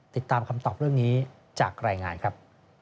ติดตามคำตอบเรื่องนี้จากรายงานครับ